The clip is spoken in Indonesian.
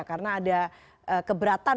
karena ada keberatan